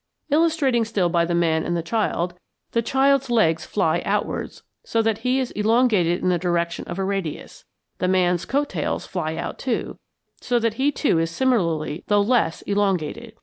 Illustrating still by the man and child, the child's legs fly outwards so that he is elongated in the direction of a radius; the man's coat tails fly out too, so that he too is similarly though less elongated.